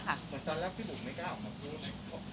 เหมือนตอนแรกที่ผมไม่กล้าออกมาพูด